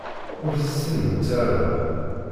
Ur tessinemt ara.